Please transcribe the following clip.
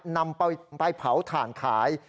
นำไปเผาถ่านขาย